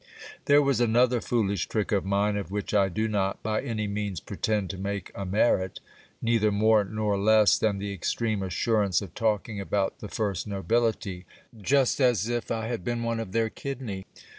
There was another foolish trick of mine, of which I do not by any means pretend to make a merit ; neither more nor less than the extreme assurance of talking about the first nobility, just as if I had been one of their kidney.